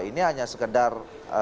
ini hanya sekedar